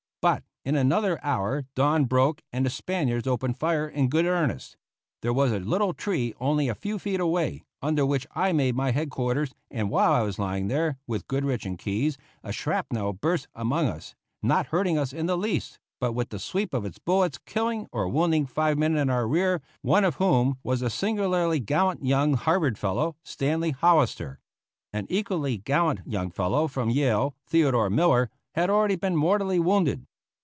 But in another hour dawn broke and the Spaniards opened fire in good earnest. There was a little tree only a few feet away, under which I made my head quarters, and while I was lying there, with Goodrich and Keyes, a shrapnel burst among us, not hurting us in the least, but with the sweep of its bullets killing or wounding five men in our rear, one of whom was a singularly gallant young Harvard fellow, Stanley Hollister. An equally gallant young fellow from Yale, Theodore Miller, had already been mortally wounded.